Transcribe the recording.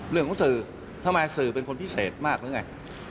เรื่องของสื่อทำไมสื่อเป็นคนพิเศษมากหรือไง